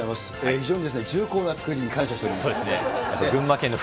非常に重厚な作りに感謝しております。